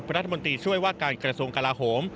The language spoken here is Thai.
รัฐมนตรีช่วยว่าการกระทรวงกลาโหม